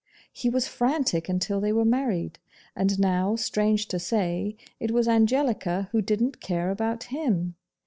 He was frantic until they were married; and now, strange to say, it was Angelica who didn't care about him!